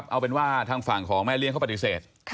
เอาเป็นว่าทางฝั่งของแม่เลี้ยเขาปฏิเสธ